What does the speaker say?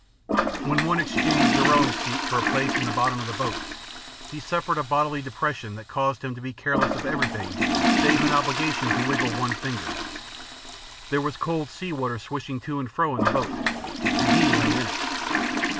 When one exchanged the rowing seat for a place in the bottom of the boat, he suffered a bodily depression that caused him to be careless of everything save an obligation to wiggle one finger. There was cold sea water swashing to and fro in the boat, and he lay in it.